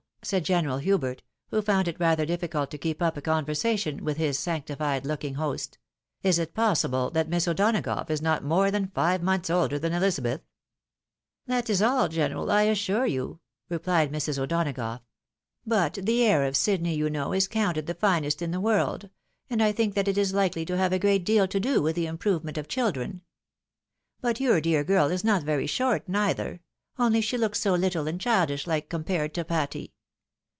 " said General Hubert, who found it rather difficult to keep up a conversation with his sanctified looking host ;" is it possible, that Miss O'Donagough is not more than five months older than Ehzabeth ?"" That is all, general, I assure you," replied Mrs. O'Dona gough. " But the air of Sydney, you know, is counted the finest in the world, and I think that is likely to have a great deal to do with the improvement of children. But your dear girl is not very short neither — only she looks so little and childish like compared to Patty.